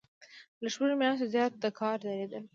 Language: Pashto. له شپږو میاشتو زیات د کار دریدل.